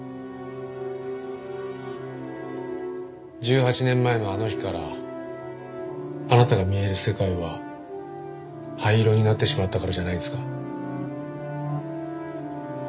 １８年前のあの日からあなたが見える世界は灰色になってしまったからじゃないですか？